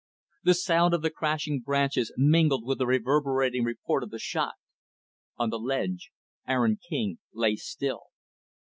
The sound of the crashing branches mingled with the reverberating report of the shot. On the ledge, Aaron King lay still.